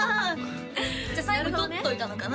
じゃあ最後取っといたのかな？